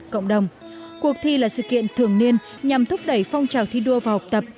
cộng đồng cuộc thi là sự kiện thường niên nhằm thúc đẩy phong trào thi đua vào học tập